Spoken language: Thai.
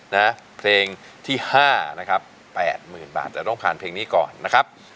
นะเพลงที่ห้านะครับแปดหมื่นบาทจะต้องผ่านเพลงนี้ก่อนนะครับ